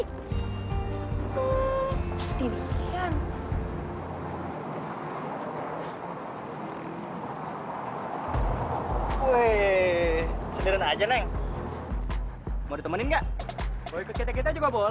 kecil buat gue ya asal